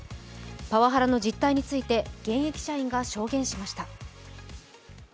パワハラの実態について、現役社員が証言しました。